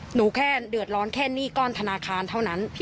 หนูแค่เดือดร้อนแค่หนี้ก้อนธนาคารเท่านั้น